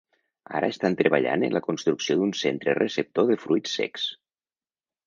Ara estan treballant en la construcció d’un centre receptor de fruits secs.